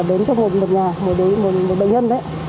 đến trong một nhà một bệnh nhân